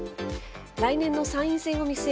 来年の参院選を見据え